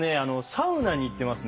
サウナに行ってますね。